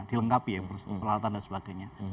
dilengkapi ya peralatan dan sebagainya